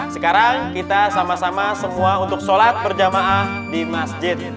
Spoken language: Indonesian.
sekarang kita sama sama semua untuk sholat berjamaah di masjid